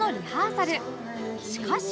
しかし